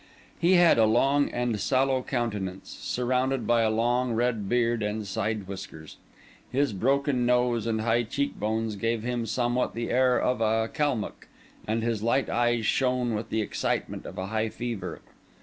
He had a long and sallow countenance, surrounded by a long red beard and side whiskers. His broken nose and high cheekbones gave him somewhat the air of a Kalmuck, and his light eyes shone with the excitement of a high fever.